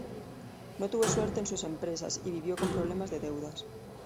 No tuvo suerte en sus empresas, y vivió con problemas de deudas.